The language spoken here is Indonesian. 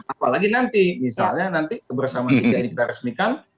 apalagi nanti misalnya nanti kebersamaan kita resmikan